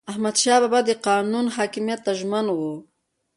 احمدشاه بابا د قانون حاکمیت ته ژمن و.